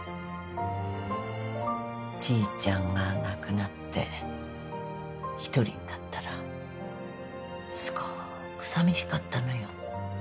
じいちゃんが亡くなって一人になったらすごく寂しかったのよ